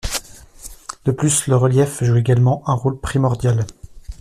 De plus, le relief joue également un rôle primordial.